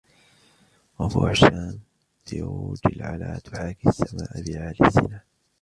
ربوعُ الشّـآمِ بـروجُ العَـلا تُحاكي السّـماءَ بعـالي السَّـنا